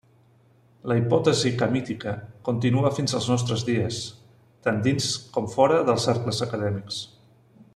La hipòtesi camítica continua fins als nostres dies, tant dins com fora dels cercles acadèmics.